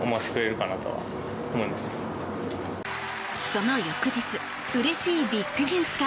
その翌日うれしいビッグニュースが。